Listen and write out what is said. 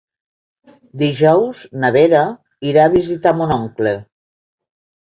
Dijous na Vera irà a visitar mon oncle.